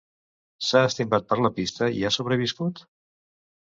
S'ha estimbat per la pista i ha sobreviscut?